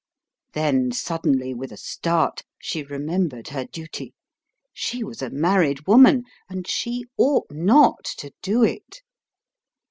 Then suddenly, with a start, she remembered her duty: she was a married woman, and she OUGHT NOT to do it.